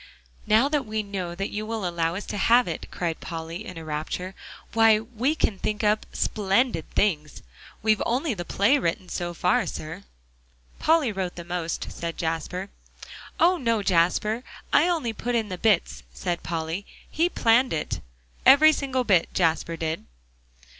"Now that we know that you will allow us to have it," cried Polly in a rapture, "why, we can think up splendid things. We've only the play written so far, sir." "Polly wrote the most," said Jasper. "Oh, no, Jasper! I only put in the bits," said Polly. "He planned it? every single bit, Jasper did."